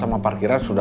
sekarang kita mau kemana